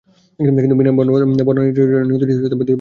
কিন্তু বন্যা নিয়ন্ত্রণের জন্য নদীটিতে দুটি বাঁধ দেওয়া হয়েছে।